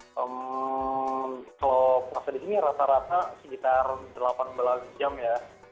kalau puasa di sini rata rata sekitar delapan belas jam ya